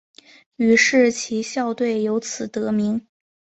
于是其校队由此得名。